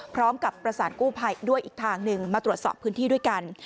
พร้อมกับประสานกู้ภัยด้วยอีกทางหนึ่งมาตรวจสอบพื้นที่ด้วยกัน